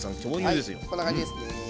はいこんな感じですね。